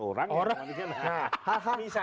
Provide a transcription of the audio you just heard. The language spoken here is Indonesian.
orang yang memandikan jenazah